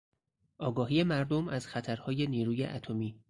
آگاهی مردم از خطرهای نیروی اتمی